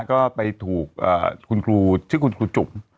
ก็ไปถูกคุณครูชื่อคุณครูจุ๋ม